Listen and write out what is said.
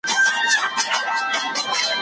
د زده کړې نشتوالی د فقر لامل کیږي.